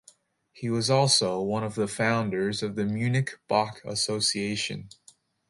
He was also one of the founders of the Munich Bach Association.